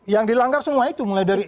yang dilanggar semua itu mulai dari